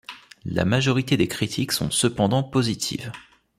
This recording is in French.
La majorité des critiques sont cependant positives.